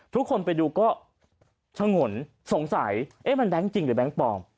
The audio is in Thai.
ทุกคนไปดูก็ชะงนสงสัยเอ๊ะมันแบงค์จริงหรือแบงค์ปลอม